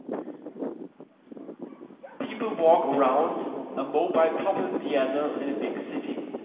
People walk around a mobile puppet theater in a big city.